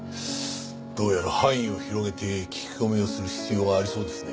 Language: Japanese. どうやら範囲を広げて聞き込みをする必要がありそうですね。